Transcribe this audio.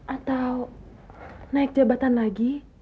atau naik jabatan lagi